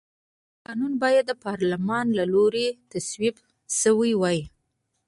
قانون باید د پارلمان له لوري تصویب شوی وي.